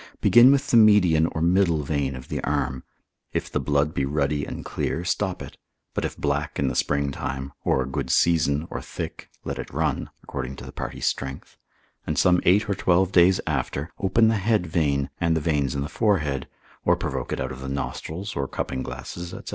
begin with the median or middle vein of the arm; if the blood be ruddy and clear, stop it, but if black in the spring time, or a good season, or thick, let it run, according to the party's strength: and some eight or twelve days after, open the head vein, and the veins in the forehead, or provoke it out of the nostrils, or cupping glasses, &c.